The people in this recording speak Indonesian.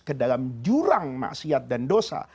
kedalam jurang maksiat dan dosa